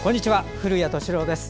古谷敏郎です。